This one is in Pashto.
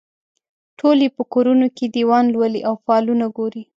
ټول یې په کورونو کې دیوان لولي او فالونه ګوري.